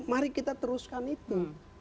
mari kita teruskan itu